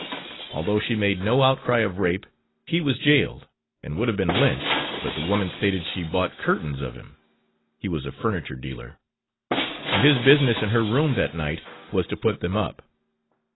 Although she made no outcry of rape, he was jailed and would have been lynched, but the woman stated she bought curtains of him (he was a furniture dealer) and his business in her room that night was to put them up.